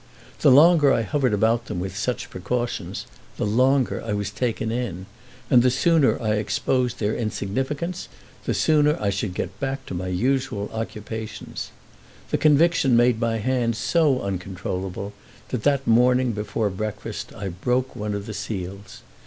The longer I hovered about them with such precautions the longer I was taken in, and the sooner I exposed their insignificance the sooner I should get back to my usual occupations. This conviction made my hand so uncontrollable that that morning before breakfast I broke one of the seals.